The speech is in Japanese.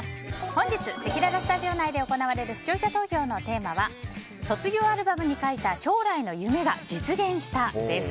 本日せきららスタジオ内で行われる視聴者投票のテーマは卒業アルバムに書いた将来の夢が実現したです。